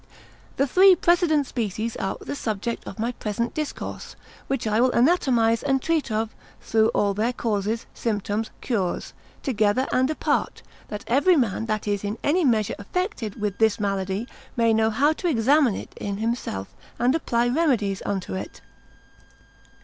The three precedent species are the subject of my present discourse, which I will anatomise and treat of through all their causes, symptoms, cures, together and apart; that every man that is in any measure affected with this malady, may know how to examine it in himself, and apply remedies unto it.